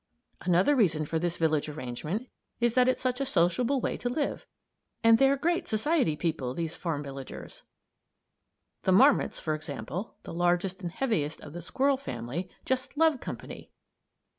Another reason for this village arrangement is that it's such a sociable way to live; and they're great society people, these farm villagers. The marmots, for example, the largest and heaviest of the squirrel family, just love company.